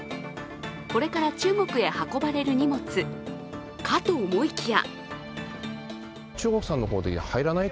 これから中国へ運ばれる荷物かと思いきや。